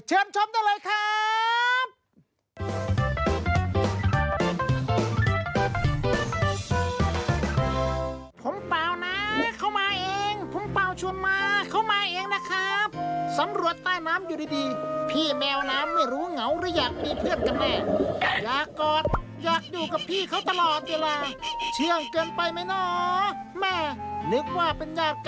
ชมได้เลยครับ